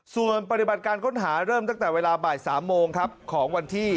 ส่วนปฏิบัติการค้นหาเริ่มตั้งแต่เวลาบาด๓โมง